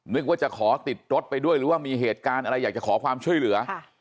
นึกว่าจะขอติดรถไปด้วยหรือว่ามีเหตุการณ์อะไรอยากจะขอความช่วยเหลือ